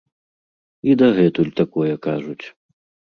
І дагэтуль такое кажуць.